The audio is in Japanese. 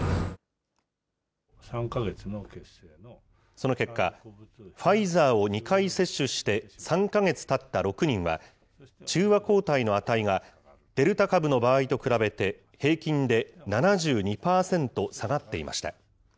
その結果、ファイザーを２回接種して３か月たった６人は、中和抗体の値が、デルタ株の場合と比べて平均で７２％下がっていました。